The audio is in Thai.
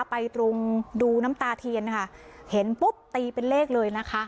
ตรงดูน้ำตาเทียนนะคะเห็นปุ๊บตีเป็นเลขเลยนะคะ